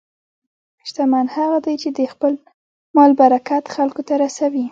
شتمن هغه دی چې د خپل مال برکت خلکو ته رسوي.